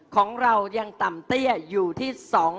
ของเรายังต่ำเตี้ยอยู่ที่๒๐๐